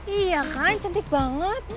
iya kan cantik banget